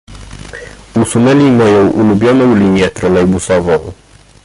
Usunęli moją ulubioną linię trolejbusową.